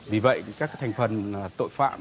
vì vậy các thành phần tội phạm